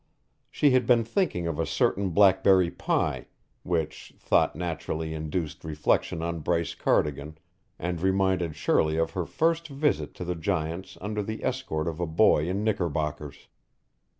She had been thinking of a certain blackberry pie, which thought naturally induced reflection on Bryce Cardigan and reminded Shirley of her first visit to the Giants under the escort of a boy in knickerbockers.